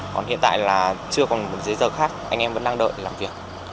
còn hiện tại là chưa còn một giấy giờ khác anh em vẫn đang đợi để làm việc